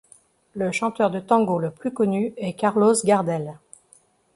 Le chanteur de tango le plus connu est Carlos Gardel.